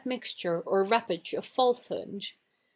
nixture or wrappage of falsehood.